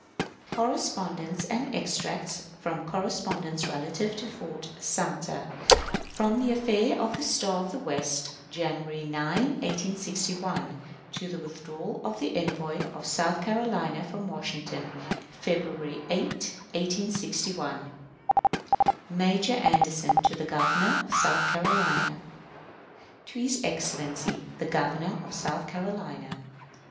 Correspondence and extracts from correspondence relative to Fort Sumter, from the affair of the Star of the West, January 9, 1861, to the withdrawal of the envoy of South Carolina from Washington, February 8, 1861. _Major Anderson to the Governor of South Carolina. To his Excellency the Governor of South Carolina.